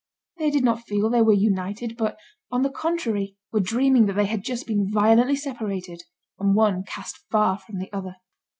They did not feel they were united, but, on the contrary, were dreaming that they had just been violently separated, and one cast far from the other.